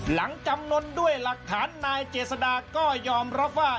จำนวนด้วยหลักฐานนายเจษดาก็ยอมรับว่า